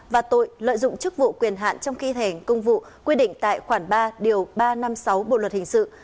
và tội lợi dụng chức vụ quyền hạn trong khi thể công vụ quy định tại khoản ba điều ba trăm năm mươi sáu bộ luật hình sự